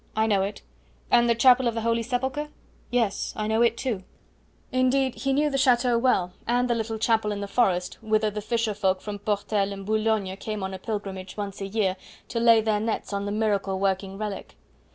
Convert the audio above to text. "I know it." "And the Chapel of the Holy Sepulchre?" "Yes. I know it too." Indeed, he knew the chateau well, and the little chapel in the forest, whither the fisher folk from Portel and Boulogne came on a pilgrimage once a year to lay their nets on the miracle working relic.